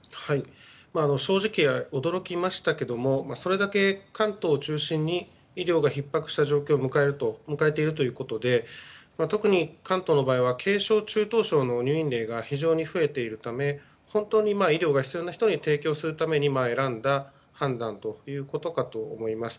正直、驚きましたけれどもそれだけ関東を中心に医療がひっ迫した状況を迎えているということで特に関東の場合は軽症、中等症の入院例が非常に増えているため本当に医療が必要な人に提供するために選んだ判断ということかと思います。